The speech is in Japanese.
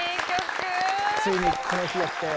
ついにこの日が来たよ。